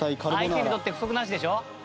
相手にとって不足なしでしょ？